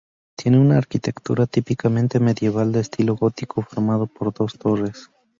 Tiene una arquitectura típicamente medieval, de estilo gótico, formado por dos torres.